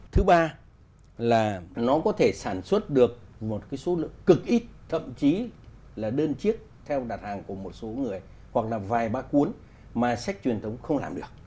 thứ ba là nó có thể sản xuất được một số lượng cực ít thậm chí là đơn chiếc theo đặt hàng của một số người hoặc là vài ba cuốn mà sách truyền thống không làm được